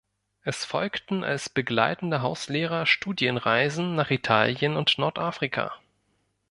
Es folgten als begleitender Hauslehrer Studienreisen nach Italien und Nordafrika.